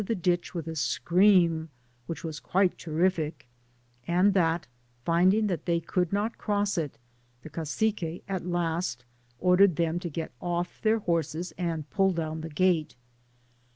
the ditch with a scream which was quite terrific, but finding that they could not cross it, the Cacique at last ordered them to get off their horses and pull down the gate.